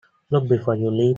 Look before you leap.